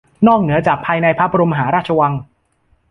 นอกเหนือจากภายในพระบรมมหาราชวัง